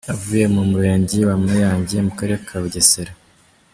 Avuye mu Murenge wa Mayange mu Karere ka Bugesera.